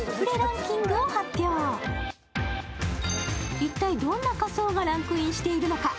一体どんな仮装がランクインしているのか。